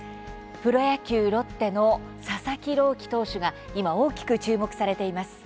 プロ野球ロッテの佐々木朗希投手が今、大きく注目されています。